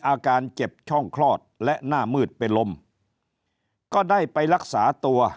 อาการเจ็บช่องคลอดและหน้ามืดเป็นลมก็ได้ไปรักษาตัว